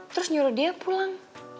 terus nyuruh dia pulang